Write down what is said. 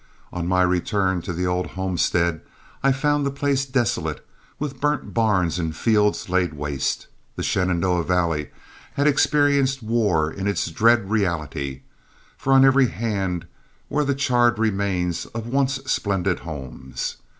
On my return to the old homestead I found the place desolate, with burnt barns and fields laid waste. The Shenandoah Valley had experienced war in its dread reality, for on every hand were the charred remains of once splendid homes.